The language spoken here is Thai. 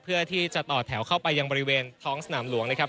เพื่อที่จะต่อแถวเข้าไปยังบริเวณท้องสนามหลวงนะครับ